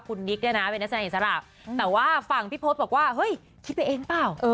คุณนิกเนี่ยนะเป็นนักแสดงอิสระแต่ว่าฝั่งพี่พศบอกว่าเฮ้ยคิดไปเองเปล่า